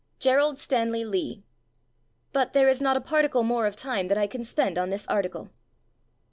Gerald Stanley ijee. But there is not a particle more of time that I can spend on this article.